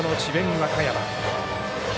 和歌山。